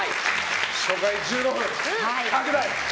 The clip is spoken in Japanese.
初回１５分拡大。